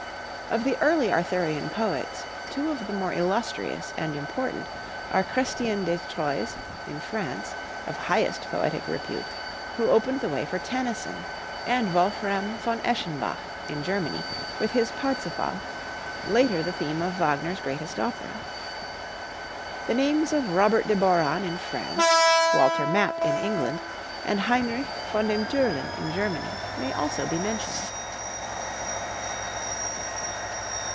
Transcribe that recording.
Of the early Arthurian poets, two of the more illustrious and important are Chrestien de Troyes, in France, of highest poetic repute, who opened the way for Tennyson, and Wolfram von Eschenbach, in Germany, with his 'Parzival,' later the theme of Wagner's greatest opera. The names of Robert de Borron in France, Walter Map in England, and Heinrich von dem Türlin in Germany, may also be mentioned.